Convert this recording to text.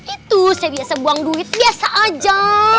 itu saya biasa buang duit biasa aja